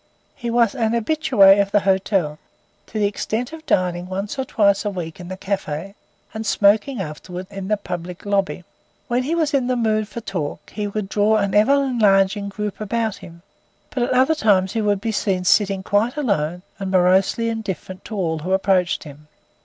He was an habitue of the hotel, to the extent of dining once or twice a week in the cafe, and smoking, afterwards, in the public lobby. When he was in the mood for talk, he would draw an ever enlarging group about him, but at other times he would be seen sitting quite alone and morosely indifferent to all who approached him.